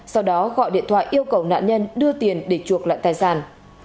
sau đó gọi điện thoại yêu cầu nạn nhân đưa tiền để chuộc lại tài sản